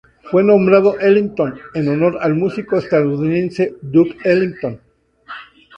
Fue nombrado Ellington en honor al músico estadounidense Duke Ellington.